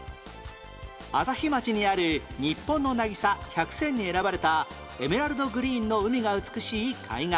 朝日町にある日本の渚１００選に選ばれたエメラルドグリーンの海が美しい海岸